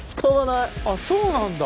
あそうなんだ。